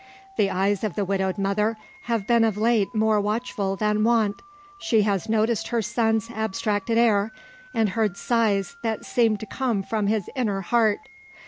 The eyes of the widowed mother have been of late more watchful than wont. She has noticed her son's abstracted air, and heard sighs that seemed to come from his inner heart.